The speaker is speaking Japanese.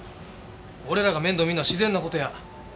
俺らが面倒見るのは自然な事や。